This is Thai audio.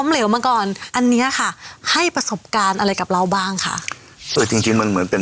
เออจริงมันเหมือนเป็น